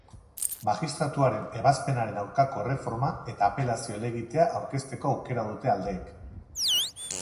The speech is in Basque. Magistratuaren ebazpenaren aurkako erreforma eta apelazio helegitea aurkezteko aukera dute aldeek.